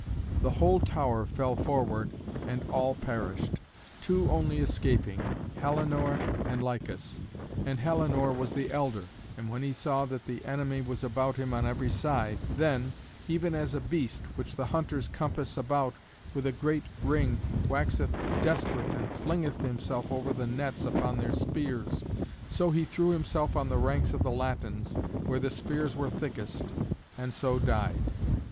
the whole tower fell forward, and all perished, two only escaping, Helenor and Lycus. And Helenor was the elder, and when he saw that the enemy was about him on every side, then, even as a beast which the hunters compass about with a great ring waxeth desperate and flingeth himself over the nets upon their spears, so he threw himself on the ranks of the Latins where the spears were thickest, and so died.